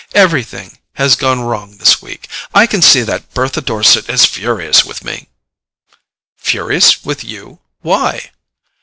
"Everything has gone wrong this week. I can see that Bertha Dorset is furious with me." "Furious with you? Why?"